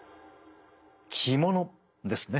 着物ですね？